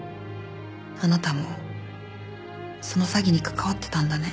あなたもその詐欺に関わってたんだね。